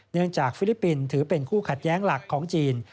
จากฟิลิปปินส์ถือเป็นคู่ขัดแย้งหลักของจีน